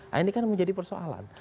nah ini kan menjadi persoalan